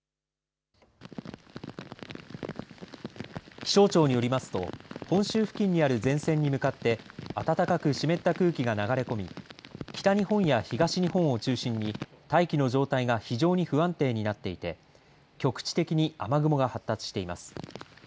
気象庁によりますと本州付近にある前線に向かって暖かく湿った空気が流れ込み北日本や東日本を中心に大気の状態が非常に不安定になっていて局地的に雨雲が発達しています。